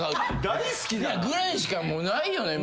大好きだな！ぐらいしかないよね。